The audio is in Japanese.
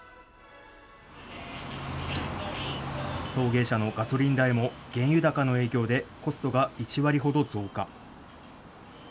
送迎車のガソリン代も原油高の影響でコストが１割ほど増加。